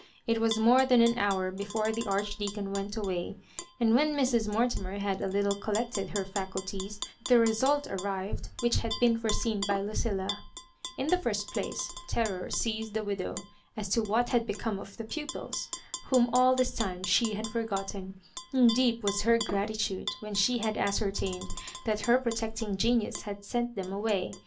It was more than an hour before the Archdeacon went away ; and when Mrs. Mortimer had a little collected her faculties, the result arrived which had been foreseen by Luciil« In the first place, ter ror seized the widow as to what had become of the pupils, whom all this time she had forgotten, and deep was her gratitude when she had ascer tained that her protecting genius had sent them away.